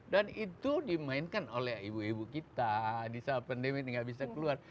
dan itu dimainkan oleh ibu ibu kita di saat pandemi ini tidak bisa keluar